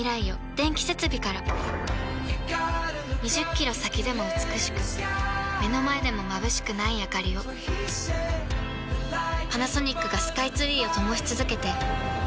２０キロ先でも美しく目の前でもまぶしくないあかりをパナソニックがスカイツリーを灯し続けて今年で１０年